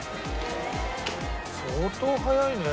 相当早いね。